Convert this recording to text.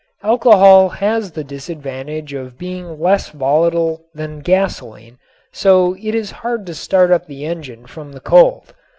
Alcohol has the disadvantage of being less volatile than gasoline so it is hard to start up the engine from the cold.